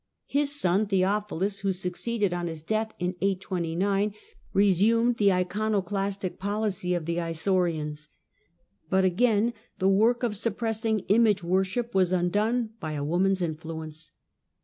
His son 'heophilus, who succeeded on his death in 829, resumed he Iconoclastic policy of the Isaurians. But again the 'ork of suppressing image worship was undone by a 'Oman's influence.